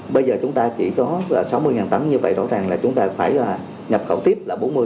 bây giờ chúng ta chỉ có sáu mươi tấn như vậy rõ ràng là chúng ta phải nhập khẩu tiếp là bốn mươi